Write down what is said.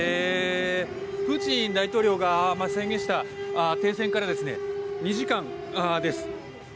プーチン大統領が宣言した停戦から２時間です。